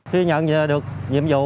khi nhận được nhiệm vụ